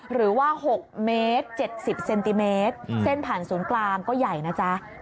หรือว่า๖เมตร๗๐เซนติเมตรเส้นผ่านศูนย์กลางก็ใหญ่นะจ๊ะ